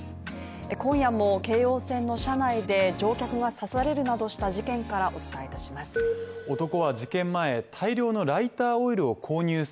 今夜も京王線の車内で乗客が刺されるなどした事件からお伝えします。